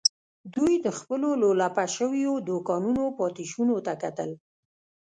دوی د خپلو لولپه شويو دوکانونو پاتې شونو ته کتل.